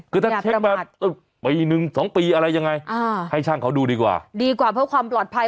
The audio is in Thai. คือถ้าเช็คมาปีหนึ่งสองปีอะไรยังไงให้ช่างเขาดูดีกว่าดีกว่าเพื่อความปลอดภัย